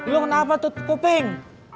lo kenapa tutup kuping